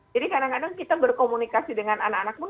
jadi kadang kadang kita berkomunikasi dengan anak anak pun